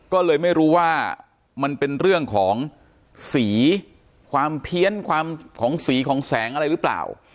ก็เลยไม่รู้ว่ามันเป็นเรื่องของสีความเพี้ยนความของสีของแสงอะไรหรือเปล่า